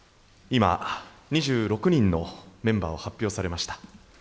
今、２６人のメンバーを発表されました。